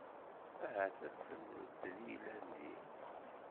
Ahat alef n medden i yellan din.